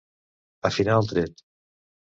Afinar el tret.